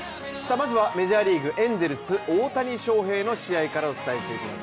まずはメジャーリーグ、エンゼルス・大谷翔平の試合からお伝えしていきます。